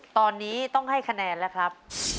ตอนนี้ต้องให้คะแนนแล้วครับ